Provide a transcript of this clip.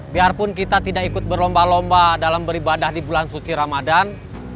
biarpun kita tidak ikut berlomba lomba dalam beribadah di bulan suci ramadan